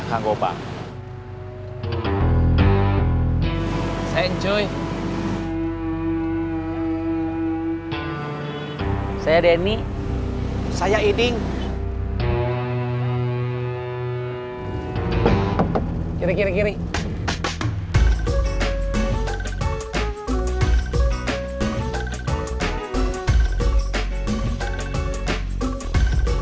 sama orangnya gak ada